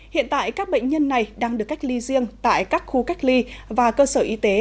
hiện tại các bệnh nhân này đang được cách ly riêng tại các khu cách ly và cơ sở y tế